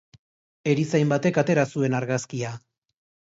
Erizain batek atera zuen argazkia.